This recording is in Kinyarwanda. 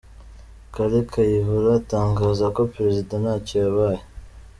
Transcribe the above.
Kale Kayihura atangaza ko Perezida ntacyo yabaye.